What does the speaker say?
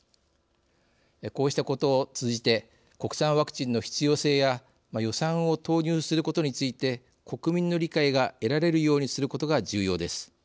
こうしたことを通じて国産ワクチンの必要性や予算を投入することについて国民の理解が得られるようにすることが重要です。